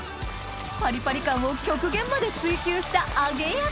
パリパリ感を極限まで追求した揚げ焼き！